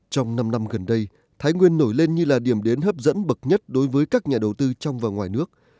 trong năm năm gần đây thái nguyên nổi lên như là điểm đến hấp dẫn bậc nhất đối với các nhà đầu tư trong và ngoài nước